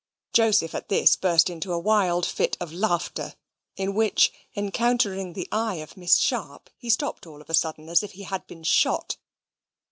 Joseph at this burst out into a wild fit of laughter; in which, encountering the eye of Miss Sharp, he stopped all of a sudden, as if he had been shot.